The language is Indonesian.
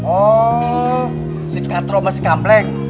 oh si katro masih kempleng